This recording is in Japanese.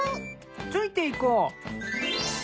ついて行こう。